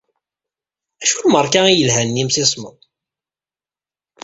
Accu lmeṛka i yelhan n imsismeḍ?